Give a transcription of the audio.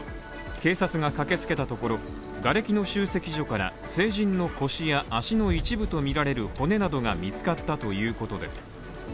警察が駆けつけたところ、がれきの集積所から成人の腰や足の一部とみられる骨などが見つかったということです。